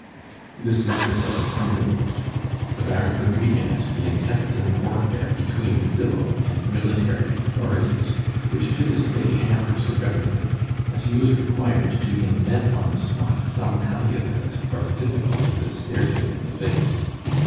This letter was a thunderbolt; the Baron could read in it the intestine warfare between civil and military authorities, which to this day hampers the Government, and he was required to invent on the spot some palliative for the difficulty that stared him in the face.